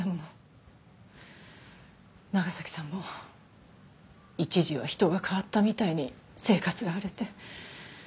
長崎さんも一時は人が変わったみたいに生活が荒れて。